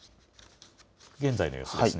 現在の様子ですね。